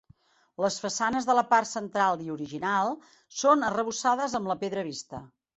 Les façanes de la part central i original són arrebossades amb la pedra vista.